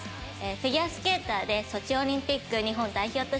フィギュアスケーターでソチオリンピック日本代表として参加しました。